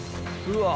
うわ！